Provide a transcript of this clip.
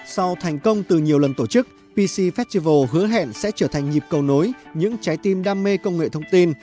sau thành công từ nhiều lần tổ chức pc festival hứa hẹn sẽ trở thành nhịp cầu nối những trái tim đam mê công nghệ thông tin